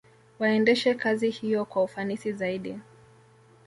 Waendeshe kazi hiyo kwa ufanisi zaidi